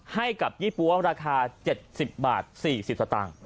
ให้กับยี่ปั๊วราคา๗๐บาท๔๐สตางค์